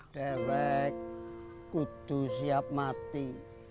delek kudu siap mati